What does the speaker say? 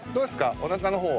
おなかの方は。